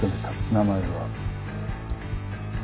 名前は。